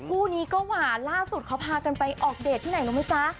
คู่นี้ก็หวานล่าสุดเขาพากันไปออกเดทที่ไหนรู้ไหมจ๊ะ